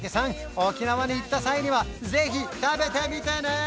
沖縄に行った際にはぜひ食べてみてね！